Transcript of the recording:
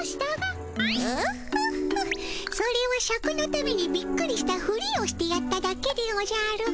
オホッホそれはシャクのためにびっくりしたフリをしてやっただけでおじゃる。